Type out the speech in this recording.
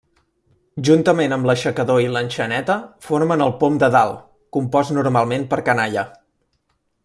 Juntament amb l'aixecador i l'enxaneta formen el pom de dalt, compost normalment per canalla.